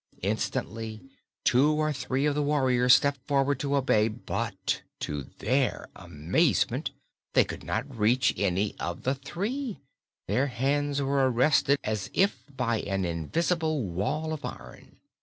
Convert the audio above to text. Instantly two or three of the warriors stepped forward to obey, but to their amazement they could not reach any of the three; their hands were arrested as if by an invisible wall of iron.